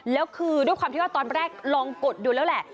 แล้วคือด้วยความที่ว่าตอนแรกลองกดดูแล้วแหละ